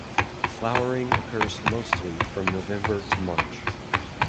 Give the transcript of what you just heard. Flowering occurs mostly from November to March.